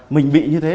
mình bị như thế